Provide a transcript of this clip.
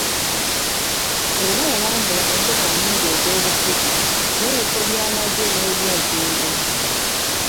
Era yalambula embuga nnyingi ez'obufuzi, n'ebifo by'amagye n'ebyempingu.